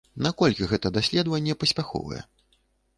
Наколькі гэта даследаванне паспяховае?